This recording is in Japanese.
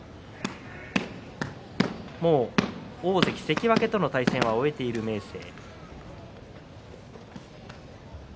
大関、関脇との対戦は終えている明生。